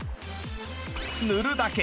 塗るだけ！